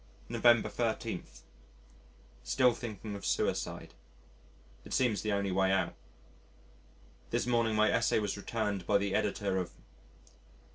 November 13. Still thinking of suicide. It seems the only way out. This morning my Essay was returned by the Editor of